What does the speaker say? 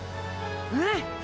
うん！